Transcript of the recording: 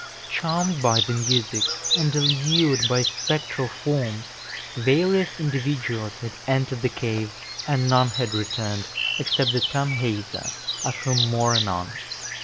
Charmed by the music, and allured by the spectral forms, various individuals had entered the cave, and none had returned, except the Tanhäuser, of whom more anon.